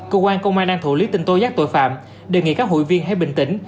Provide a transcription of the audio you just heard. cơ quan công an đang thủ lý tin tố giác tội phạm đề nghị các hội viên hãy bình tĩnh